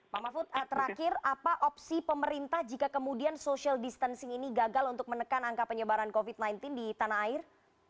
pak mahfud terakhir apa opsi pemerintah jika kemudian social distancing ini gagal untuk menekan angka penyebaran covid sembilan belas di tanah air